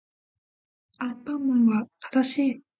アンパンマンは正しい